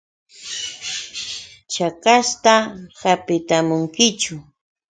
¿Shakashta hapitamunkichu?